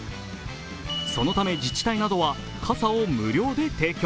そのため、自治体などは傘を無料で提供。